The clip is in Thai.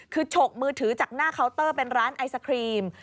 คือฉกมือถือจากหน้าเคาน์เตอร์เป็นร้านไอศครีม